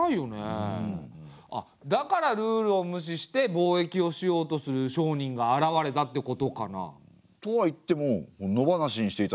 あっだからルールを無視して貿易をしようとする商人が現れたってことかな？とはいっても野放しにしていたら明のメンツは丸つぶれですよ。